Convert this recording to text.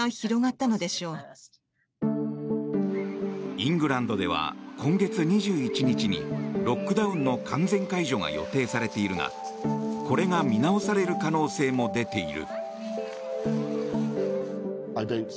イングランドでは今月２１日にロックダウンの完全解除が予定されているがこれが見直される可能性も出ている。